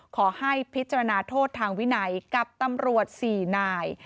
ขอให้พิจารณาโทษทางวินัยกับตำรวจ๔นาย